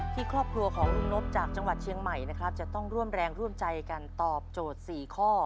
ครอบครัวของลุงนบจากจังหวัดเชียงใหม่นะครับจะต้องร่วมแรงร่วมใจกันตอบโจทย์๔ข้อ